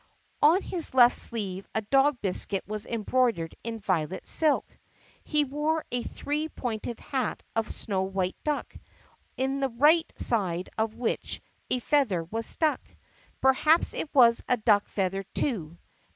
On his left sleeve a dog biscuit was embroidered in violet silk. He wore a three pointed hat of snow white duck, in the right side of which a feather was stuck. Perhaps it was a duck feather, too.